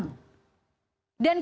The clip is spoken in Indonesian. dan kita bisa menguasai